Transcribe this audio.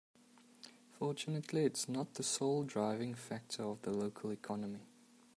Fortunately its not the sole driving factor of the local economy.